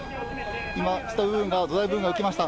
今、下部分が土台部分が浮きました。